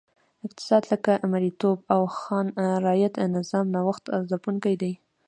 اقتصاد لکه مریتوب او خان رعیت نظام نوښت ځپونکی دی.